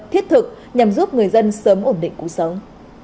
thiết thực nhằm giúp người dân sớm ổn định cuộc sống